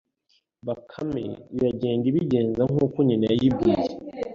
Bakame iragenda ibigenza nk' uko nyina yayibwiye